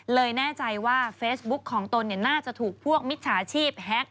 แน่ใจว่าเฟซบุ๊กของตนน่าจะถูกพวกมิจฉาชีพแฮ็ก